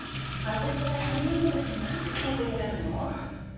私がそんなことして何の得になるの？